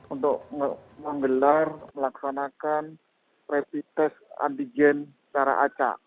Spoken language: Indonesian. untuk menggelar melaksanakan rapid test antigen secara acak